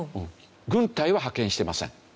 軍隊は派遣してません。